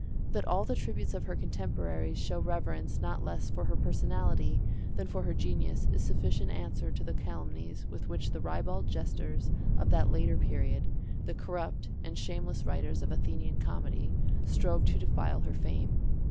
That all the tributes of her contemporaries show reverence not less for her personality than for her genius is sufficient answer to the calumnies with which the ribald jesters of that later period, the corrupt and shameless writers of Athenian comedy, strove to defile her fame.